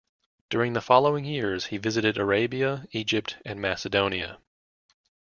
During the following years he visited Arabia, Egypt and Macedonia.